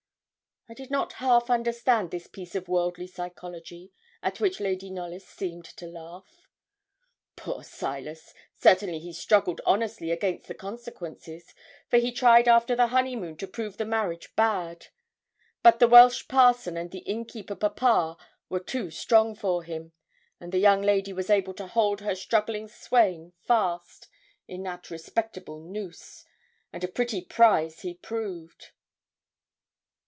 I did not half understand this piece of worldly psychology, at which Lady Knollys seemed to laugh. 'Poor Silas, certainly he struggled honestly against the consequences, for he tried after the honeymoon to prove the marriage bad. But the Welsh parson and the innkeeper papa were too strong for him, and the young lady was able to hold her struggling swain fast in that respectable noose and a pretty prize he proved!'